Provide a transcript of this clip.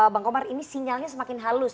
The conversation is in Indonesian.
bang komar ini sinyalnya semakin halus